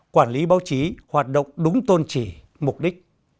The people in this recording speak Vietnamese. quản lý báo chí hoạt động đúng tôn trì mục đích